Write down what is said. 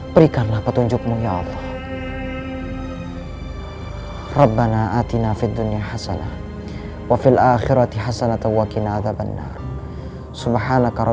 berikanlah petunjukmu ya allah